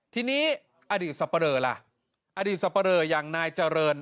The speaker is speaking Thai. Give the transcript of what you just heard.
ที่นี้อดีตสัปดิ์เหรอล่ะอดีตสัปดิ์เหรอยังนายเจริญ